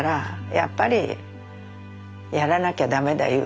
やっぱりやらなきゃ駄目だいう